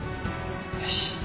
よし。